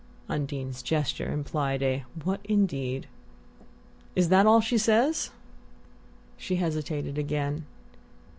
Undine's gesture implied a "What indeed?" "Is that all she says?" She hesitated again.